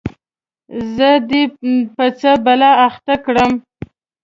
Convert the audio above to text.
زه دي په څه بلا اخته کړم ؟